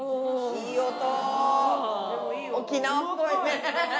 いい音！